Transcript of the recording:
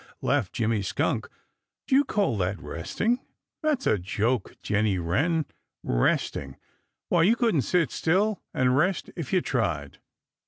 laughed Jimmy Skunk. "Do you call that resting! That's a joke, Jenny Wren. Resting! Why, you couldn't sit still and rest if you tried!"